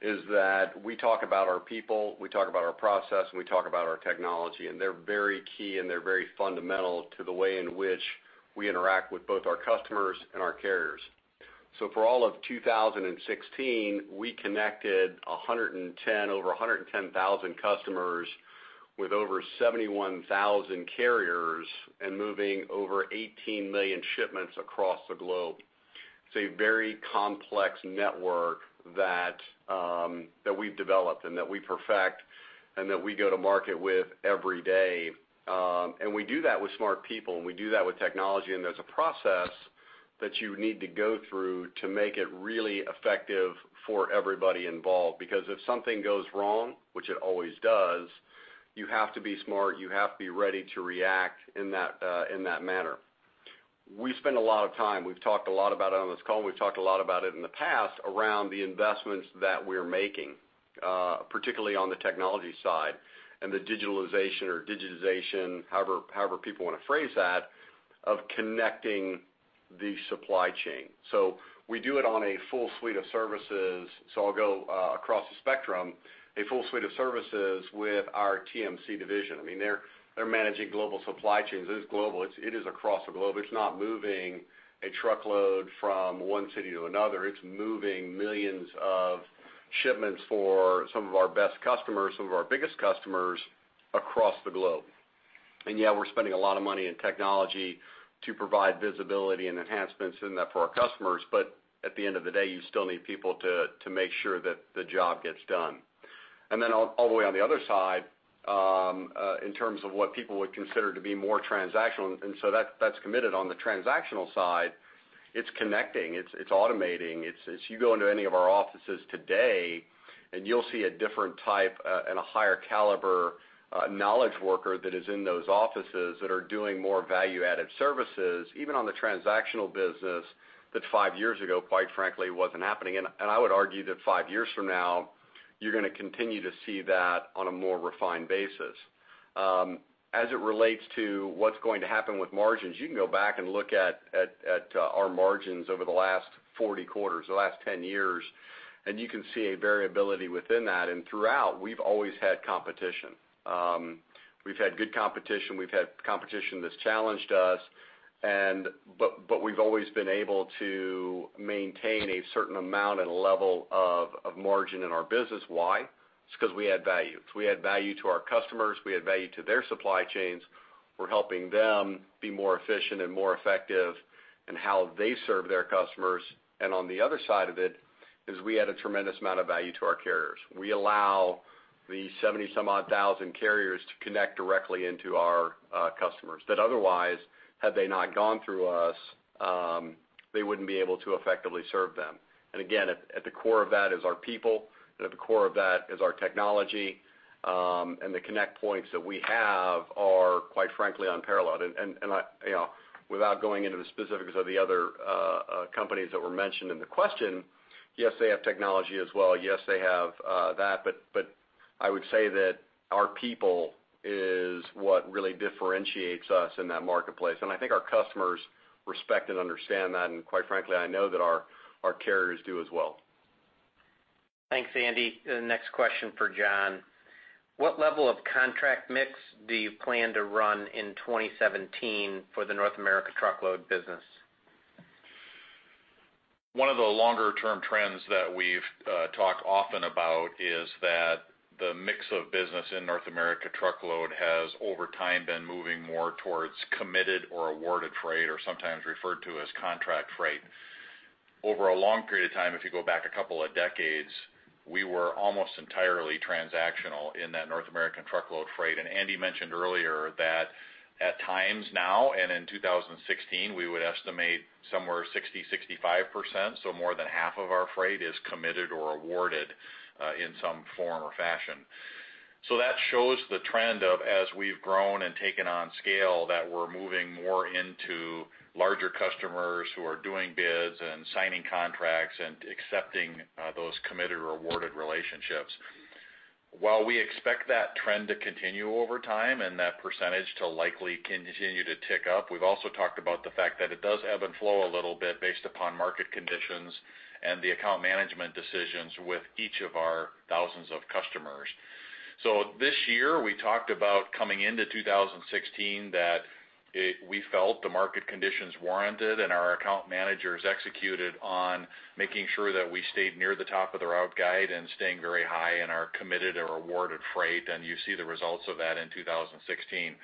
is that we talk about our people, we talk about our process, and we talk about our technology, and they're very key, and they're very fundamental to the way in which we interact with both our customers and our carriers. For all of 2016, we connected over 110,000 customers with over 71,000 carriers and moving over 18 million shipments across the globe. It's a very complex network that we've developed and that we perfect and that we go to market with every day. We do that with smart people, and we do that with technology, and there's a process that you need to go through to make it really effective for everybody involved. Because if something goes wrong, which it always does, you have to be smart, you have to be ready to react in that manner. We spend a lot of time, we've talked a lot about it on this call, and we've talked a lot about it in the past, around the investments that we're making, particularly on the technology side and the digitalization or digitization, however people want to phrase that, of connecting the supply chain. We do it on a full suite of services. I'll go across the spectrum, a full suite of services with our TMC division. They're managing global supply chains. It is global. It is across the globe. It's not moving a truckload from one city to another. It's moving millions of shipments for some of our best customers, some of our biggest customers across the globe. Yeah, we're spending a lot of money in technology to provide visibility and enhancements in that for our customers. At the end of the day, you still need people to make sure that the job gets done. All the way on the other side, in terms of what people would consider to be more transactional, that's committed on the transactional side. It's connecting, it's automating. If you go into any of our offices today, you'll see a different type and a higher caliber knowledge worker that is in those offices that are doing more value-added services, even on the transactional business, that five years ago, quite frankly, wasn't happening. I would argue that five years from now, you're going to continue to see that on a more refined basis. As it relates to what's going to happen with margins, you can go back and look at our margins over the last 40 quarters, the last 10 years, you can see a variability within that. Throughout, we've always had competition. We've had good competition. We've had competition that's challenged us. We've always been able to maintain a certain amount and level of margin in our business. Why? It's because we add value. We add value to our customers, we add value to their supply chains. We're helping them be more efficient and more effective in how they serve their customers. On the other side of it is we add a tremendous amount of value to our carriers. We allow the 70 some odd thousand carriers to connect directly into our customers, that otherwise, had they not gone through us, they wouldn't be able to effectively serve them. Again, at the core of that is our people, at the core of that is our technology, the connect points that we have are, quite frankly, unparalleled. Without going into the specifics of the other companies that were mentioned in the question, yes, they have technology as well. Yes, they have that, I would say that our people is what really differentiates us in that marketplace, I think our customers respect and understand that, quite frankly, I know that our carriers do as well. Thanks, Andy. The next question for John. What level of contract mix do you plan to run in 2017 for the North America truckload business? One of the longer-term trends that we've talked often about is that the mix of business in North America truckload has, over time, been moving more towards committed or awarded freight, or sometimes referred to as contract freight. Over a long period of time, if you go back a couple of decades, we were almost entirely transactional in that North American truckload freight. Andy mentioned earlier that at times now and in 2016, we would estimate somewhere 60%-65%, more than half of our freight is committed or awarded in some form or fashion. That shows the trend of as we've grown and taken on scale, that we're moving more into larger customers who are doing bids and signing contracts and accepting those committed or awarded relationships. While we expect that trend to continue over time, and that percentage to likely continue to tick up, we've also talked about the fact that it does ebb and flow a little bit based upon market conditions and the account management decisions with each of our thousands of customers. This year, we talked about coming into 2016 that we felt the market conditions warranted, and our account managers executed on making sure that we stayed near the top of the route guide and staying very high in our committed or awarded freight, and you see the results of that in 2016.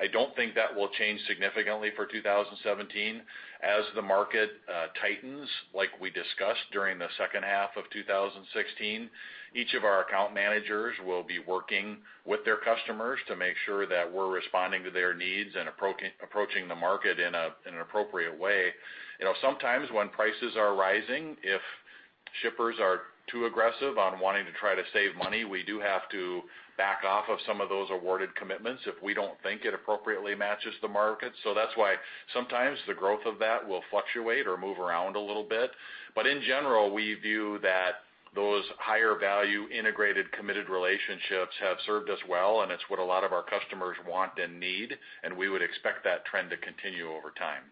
I don't think that will change significantly for 2017. As the market tightens, like we discussed during the second half of 2016, each of our account managers will be working with their customers to make sure that we're responding to their needs and approaching the market in an appropriate way. Sometimes when prices are rising, if shippers are too aggressive on wanting to try to save money, we do have to back off of some of those awarded commitments if we don't think it appropriately matches the market. That's why sometimes the growth of that will fluctuate or move around a little bit. In general, we view that those higher value integrated, committed relationships have served us well, and it's what a lot of our customers want and need, and we would expect that trend to continue over time.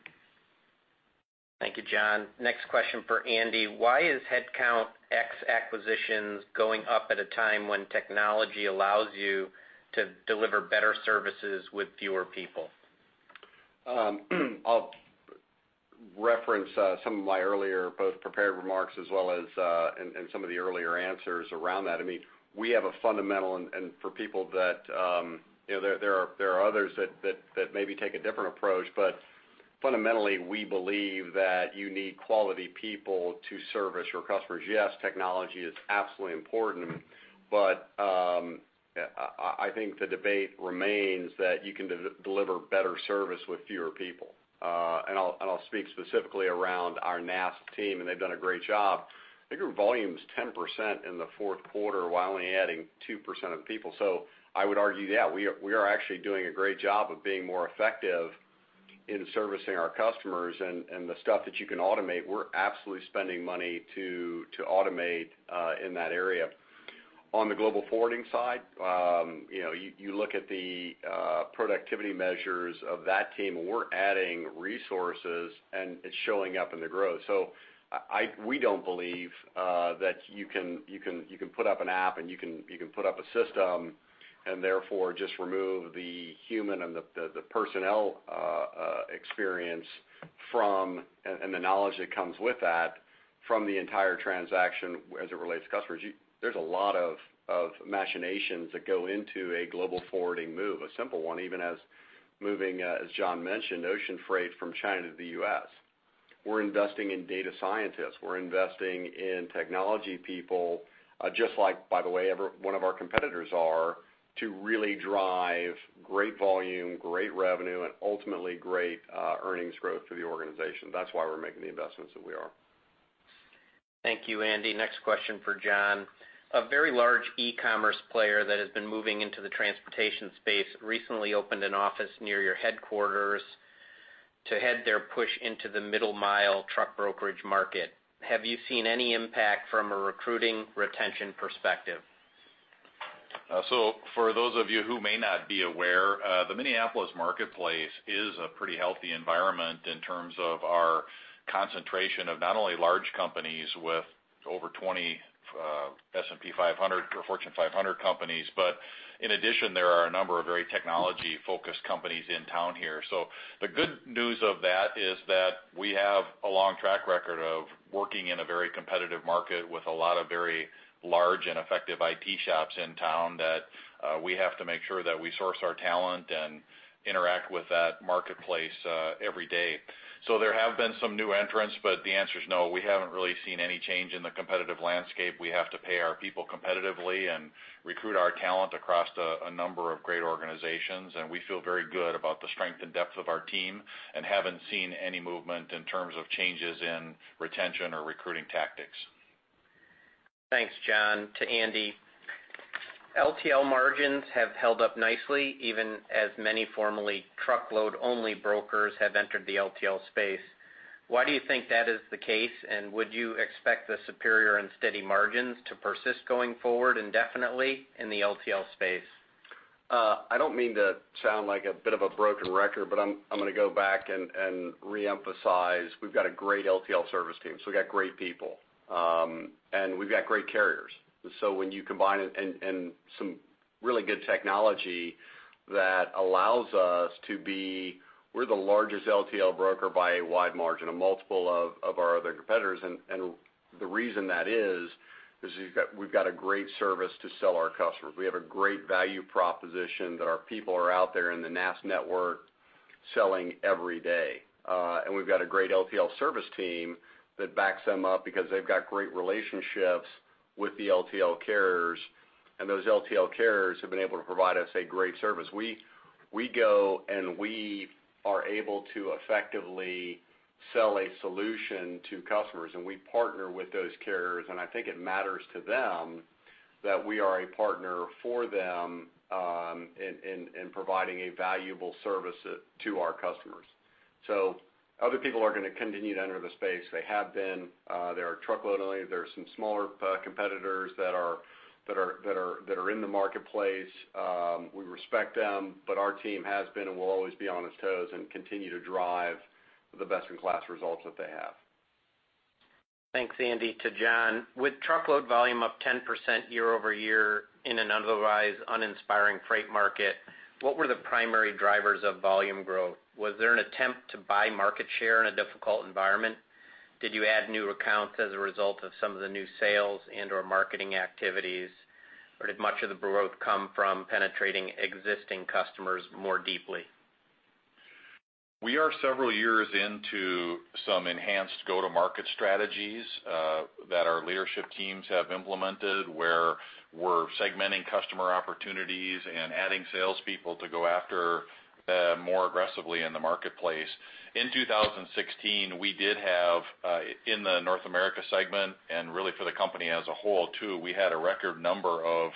Thank you, John. Next question for Andy. Why is headcount ex acquisitions going up at a time when technology allows you to deliver better services with fewer people? I'll reference some of my earlier both prepared remarks as well as in some of the earlier answers around that. We have a fundamental. There are others that maybe take a different approach, but fundamentally, we believe that you need quality people to service your customers. Yes, technology is absolutely important, but I think the debate remains that you can deliver better service with fewer people. I'll speak specifically around our NAST team, and they've done a great job. I think our volume was 10% in the fourth quarter while only adding 2% of people. I would argue, yeah, we are actually doing a great job of being more effective in servicing our customers, and the stuff that you can automate, we're absolutely spending money to automate in that area. On the global forwarding side, you look at the productivity measures of that team, we're adding resources, and it's showing up in the growth. We don't believe that you can put up an app, and you can put up a system, and therefore, just remove the human and the personnel experience from, and the knowledge that comes with that, from the entire transaction as it relates to customers. There's a lot of machinations that go into a global forwarding move, a simple one, even as moving, as John mentioned, ocean freight from China to the U.S. We're investing in data scientists. We're investing in technology people, just like, by the way, every one of our competitors are, to really drive great volume, great revenue, and ultimately great earnings growth for the organization. That's why we're making the investments that we are. Thank you, Andy. Next question for John. A very large e-commerce player that has been moving into the transportation space recently opened an office near your headquarters to head their push into the middle mile truck brokerage market. Have you seen any impact from a recruiting, retention perspective? For those of you who may not be aware, the Minneapolis marketplace is a pretty healthy environment in terms of our concentration of not only large companies with over 20 S&P 500 or Fortune 500 companies, but in addition, there are a number of very technology-focused companies in town here. The good news of that is that we have a long track record of working in a very competitive market with a lot of very large and effective IT shops in town that we have to make sure that we source our talent and interact with that marketplace every day. There have been some new entrants, but the answer is no. We haven't really seen any change in the competitive landscape. We have to pay our people competitively and recruit our talent across a number of great organizations, and we feel very good about the strength and depth of our team and haven't seen any movement in terms of changes in retention or recruiting tactics. Thanks, John. To Andy. LTL margins have held up nicely, even as many formerly truckload-only brokers have entered the LTL space. Why do you think that is the case, and would you expect the superior and steady margins to persist going forward indefinitely in the LTL space? I don't mean to sound like a bit of a broken record, but I'm going to go back and reemphasize, we've got a great LTL service team. We've got great people. We've got great carriers. Some really good technology that allows us to be the largest LTL broker by a wide margin, a multiple of our other competitors. The reason that is we've got a great service to sell our customers. We have a great value proposition that our people are out there in the NAST network selling every day. We've got a great LTL service team that backs them up because they've got great relationships with the LTL carriers, and those LTL carriers have been able to provide us a great service. We go, and we are able to effectively sell a solution to customers, and we partner with those carriers, and I think it matters to them that we are a partner for them in providing a valuable service to our customers. Other people are going to continue to enter the space. They have been. There are truckload-only, there are some smaller competitors that are in the marketplace. We respect them, but our team has been and will always be on its toes and continue to drive the best-in-class results that they have. Thanks, Andy. To John. With truckload volume up 10% year-over-year in an otherwise uninspiring freight market, what were the primary drivers of volume growth? Was there an attempt to buy market share in a difficult environment? Did you add new accounts as a result of some of the new sales and/or marketing activities? Or did much of the growth come from penetrating existing customers more deeply? We are several years into some enhanced go-to-market strategies that our leadership teams have implemented, where we're segmenting customer opportunities and adding salespeople to go after them more aggressively in the marketplace. In 2016, we did have, in the North America segment and really for the company as a whole too, we had a record number of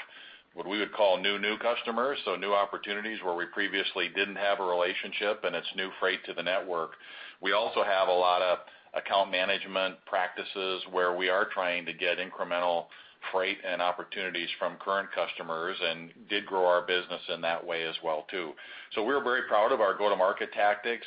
what we would call new customers. New opportunities where we previously didn't have a relationship, and it's new freight to the network. We also have a lot of account management practices where we are trying to get incremental freight and opportunities from current customers and did grow our business in that way as well, too. We're very proud of our go-to-market tactics.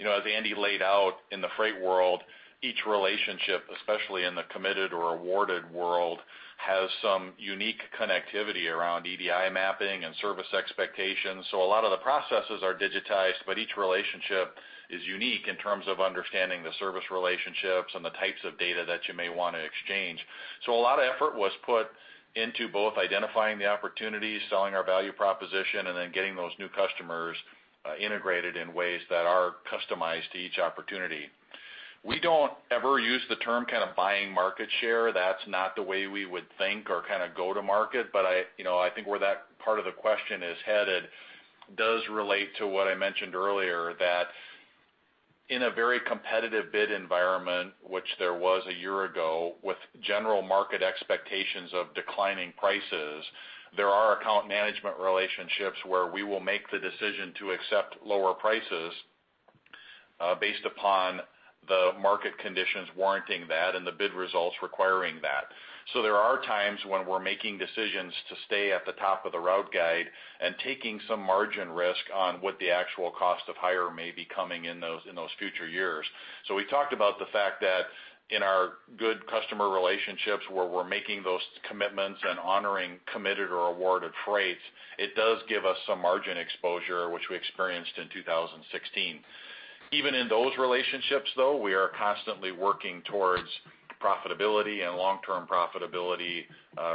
As Andy laid out, in the freight world, each relationship, especially in the committed or awarded world, has some unique connectivity around EDI mapping and service expectations. A lot of the processes are digitized, but each relationship is unique in terms of understanding the service relationships and the types of data that you may want to exchange. A lot of effort was put into both identifying the opportunities, selling our value proposition, and then getting those new customers integrated in ways that are customized to each opportunity. We don't ever use the term buying market share. That's not the way we would think or go to market. I think where that part of the question is headed does relate to what I mentioned earlier, that in a very competitive bid environment, which there was a year ago, with general market expectations of declining prices, there are account management relationships where we will make the decision to accept lower prices based upon the market conditions warranting that and the bid results requiring that. There are times when we're making decisions to stay at the top of the route guide and taking some margin risk on what the actual cost of hire may be coming in those future years. We talked about the fact that in our good customer relationships, where we're making those commitments and honoring committed or awarded freights, it does give us some margin exposure, which we experienced in 2016. Even in those relationships, though, we are constantly working towards profitability and long-term profitability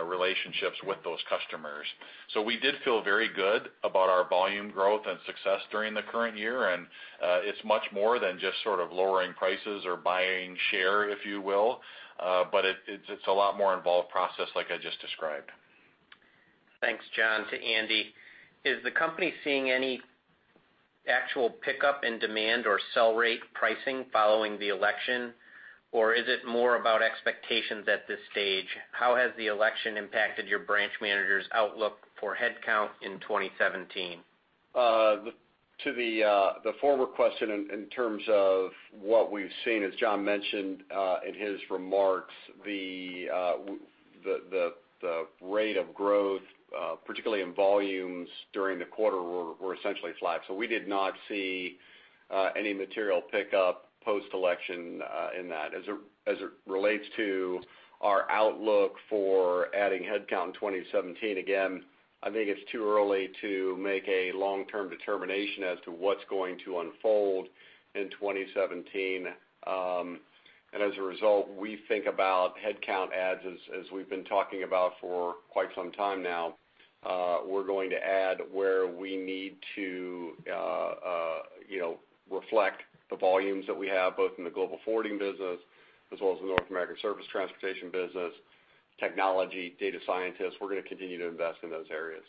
relationships with those customers. We did feel very good about our volume growth and success during the current year, and it's much more than just sort of lowering prices or buying share, if you will. It's a lot more involved process like I just described. Thanks, John. To Andy. Is the company seeing any actual pickup in demand or sell rate pricing following the election? Is it more about expectations at this stage? How has the election impacted your branch managers' outlook for headcount in 2017? To the former question in terms of what we've seen, as John mentioned in his remarks, the rate of growth, particularly in volumes during the quarter, were essentially flat. We did not see any material pickup post-election in that. As it relates to our outlook for adding headcount in 2017, again, I think it's too early to make a long-term determination as to what's going to unfold in 2017. As a result, we think about headcount adds as we've been talking about for quite some time now. We're going to add where we need to reflect the volumes that we have, both in the global forwarding business as well as the North American service transportation business, technology, data scientists. We're going to continue to invest in those areas.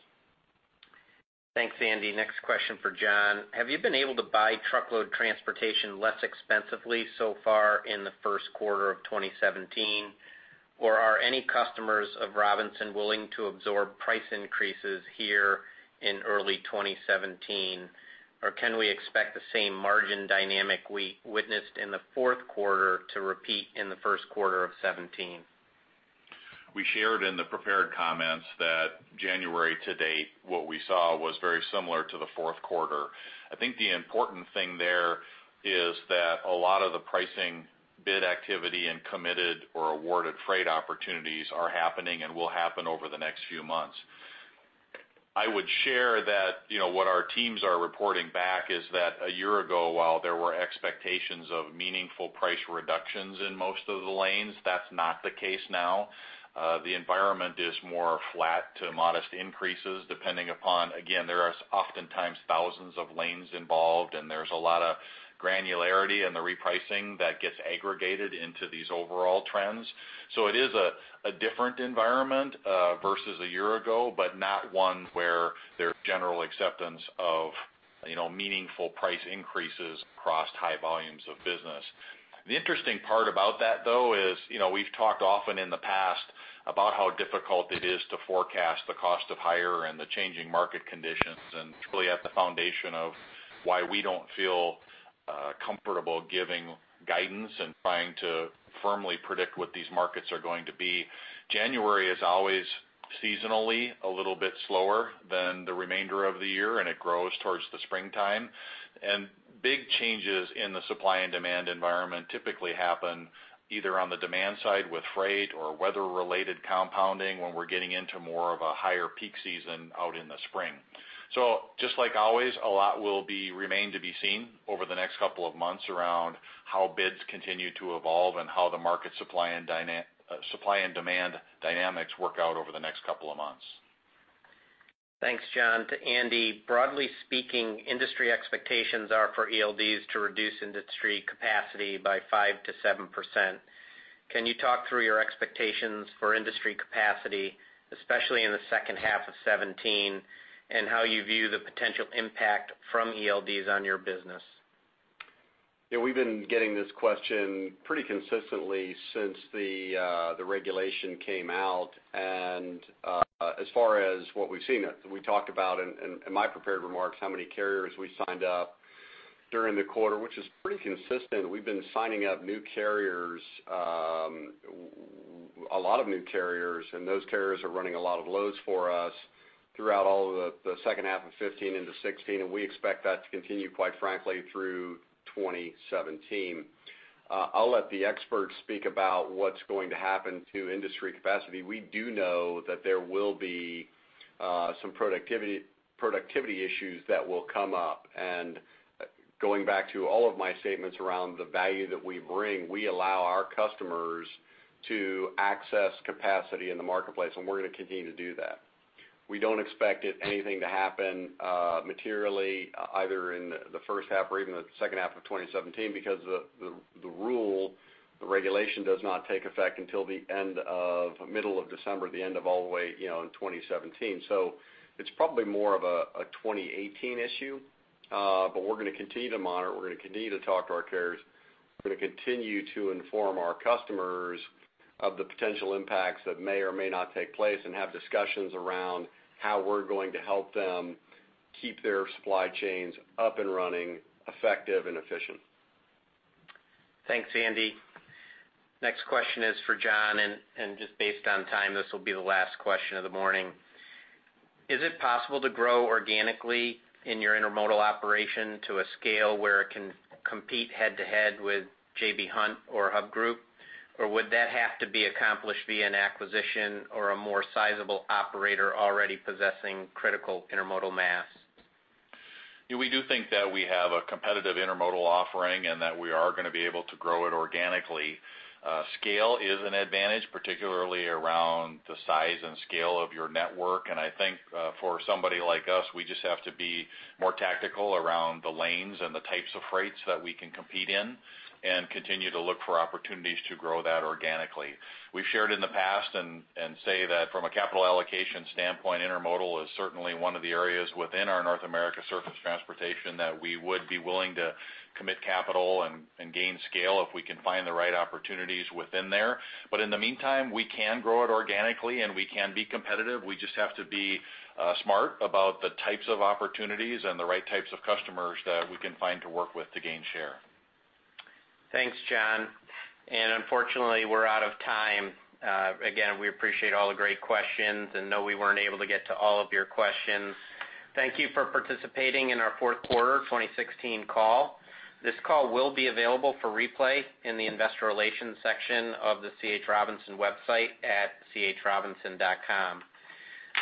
Thanks, Andy. Next question for John. Have you been able to buy truckload transportation less expensively so far in the first quarter of 2017? Are any customers of Robinson willing to absorb price increases here in early 2017? Can we expect the same margin dynamic we witnessed in the fourth quarter to repeat in the first quarter of 2017? We shared in the prepared comments that January to date, what we saw was very similar to the fourth quarter. I think the important thing there is that a lot of the pricing bid activity and committed or awarded freight opportunities are happening and will happen over the next few months. I would share that what our teams are reporting back is that a year ago, while there were expectations of meaningful price reductions in most of the lanes, that's not the case now. The environment is more flat to modest increases depending upon, again, there are oftentimes thousands of lanes involved, and there's a lot of granularity in the repricing that gets aggregated into these overall trends. It is a different environment versus a year ago, but not one where there's general acceptance of meaningful price increases across high volumes of business. The interesting part about that, though, is we've talked often in the past about how difficult it is to forecast the cost of hire and the changing market conditions, and it's really at the foundation of why we don't feel comfortable giving guidance and trying to firmly predict what these markets are going to be. January is always seasonally a little bit slower than the remainder of the year, and it grows towards the springtime. Big changes in the supply and demand environment typically happen either on the demand side with freight or weather-related compounding when we're getting into more of a higher peak season out in the spring. Just like always, a lot will remain to be seen over the next couple of months around how bids continue to evolve and how the market supply and demand dynamics work out over the next couple of months. Thanks, John. To Andy. Broadly speaking, industry expectations are for ELDs to reduce industry capacity by 5%-7%. Can you talk through your expectations for industry capacity, especially in the second half of 2017, and how you view the potential impact from ELDs on your business? We've been getting this question pretty consistently since the regulation came out. As far as what we've seen, we talked about in my prepared remarks how many carriers we signed up during the quarter, which is pretty consistent. We've been signing up new carriers, a lot of new carriers, and those carriers are running a lot of loads for us throughout all of the second half of 2015 into 2016, and we expect that to continue, quite frankly, through 2017. I'll let the experts speak about what's going to happen to industry capacity. We do know that there will be some productivity issues that will come up. Going back to all of my statements around the value that we bring, we allow our customers to access capacity in the marketplace, and we're going to continue to do that. We don't expect anything to happen materially either in the first half or even the second half of 2017 because the rule, the regulation does not take effect until the middle of December, the end of all the way in 2017. It's probably more of a 2018 issue. We're going to continue to monitor, we're going to continue to talk to our carriers, we're going to continue to inform our customers of the potential impacts that may or may not take place and have discussions around how we're going to help them keep their supply chains up and running, effective and efficient. Thanks, Andy. Next question is for John, and just based on time, this will be the last question of the morning. Is it possible to grow organically in your intermodal operation to a scale where it can compete head-to-head with J.B. Hunt or Hub Group? Would that have to be accomplished via an acquisition or a more sizable operator already possessing critical intermodal mass? We do think that we have a competitive intermodal offering and that we are going to be able to grow it organically. Scale is an advantage, particularly around the size and scale of your network. I think for somebody like us, we just have to be more tactical around the lanes and the types of freights that we can compete in and continue to look for opportunities to grow that organically. We've shared in the past and say that from a capital allocation standpoint, intermodal is certainly one of the areas within our North America surface transportation that we would be willing to commit capital and gain scale if we can find the right opportunities within there. In the meantime, we can grow it organically, and we can be competitive. We just have to be smart about the types of opportunities and the right types of customers that we can find to work with to gain share. Thanks, John. Unfortunately, we're out of time. Again, we appreciate all the great questions, and know we weren't able to get to all of your questions. Thank you for participating in our fourth quarter 2016 call. This call will be available for replay in the investor relations section of the C.H. Robinson website at chrobinson.com.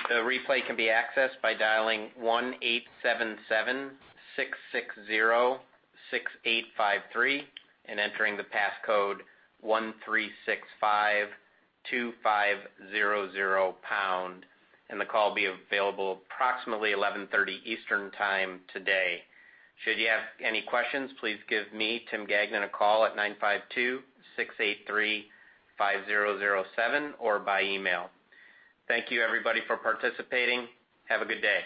The replay can be accessed by dialing 1-877-660-6853 and entering the passcode 13652500 pound. The call will be available approximately 11:30 Eastern Time today. Should you have any questions, please give me, Tim Gagnon, a call at 952-683-5007 or by email. Thank you everybody for participating. Have a good day.